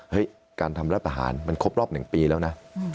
การทำรัฐประหารมันครบรอบ๑ปีแล้วนะ